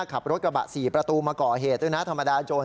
ขับรถกระบะ๔ประตูมาก่อเหตุด้วยนะธรรมดาโจร